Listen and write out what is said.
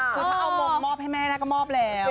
คุณค่าเอามมมอบให้แม่แล้วก็มอบแล้ว